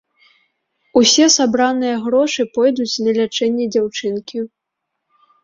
Усе сабраныя грошы пойдуць на лячэнне дзяўчынкі.